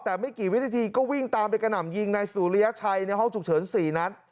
แต่ไม่กี่วินาทีก็วิ่งตามไปกระหน่ำยิงนายสุริยชัยในห้องฉุกเฉิน๔นัด